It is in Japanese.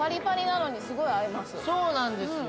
そうなんですよ